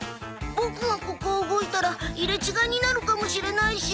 ボクがここを動いたら入れ違いになるかもしれないし。